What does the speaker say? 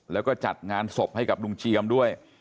แล้วก็จัดงานศพให้กับลุงเจียมด้วย